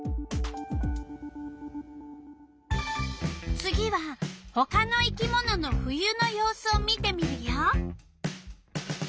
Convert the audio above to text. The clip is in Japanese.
次は他の生き物の冬の様子を見てみるよ。